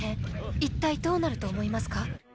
一体どうなると思いますか？